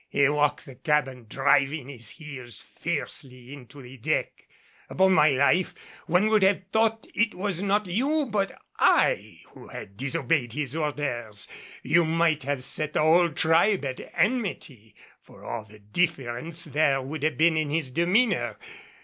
He walked the cabin driving his heels fiercely into the deck. Upon my life, one would have thought it was not you but I who had disobeyed his orders. You might have set the whole tribe at enmity for all the difference there would have been in his demeanor.